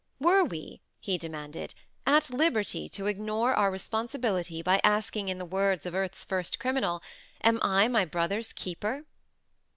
Were we, he demanded, at liberty to ignore our responsibility by asking in the words of earth's first criminal, "Am I my brother's keeper?"